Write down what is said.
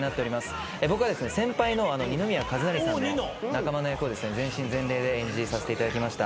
僕は先輩の二宮和也さんの仲間の役を全身全霊で演じさせていただきました。